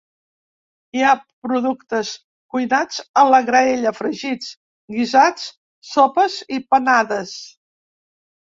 Hi ha productes cuinats a la graella, fregits, guisats, sopes i panades.